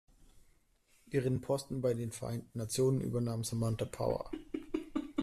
Ihren Posten bei den Vereinten Nationen übernahm Samantha Power.